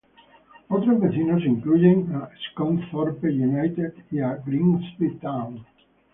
Otros vecinos incluyen a Scunthorpe United y a Grimsby Town.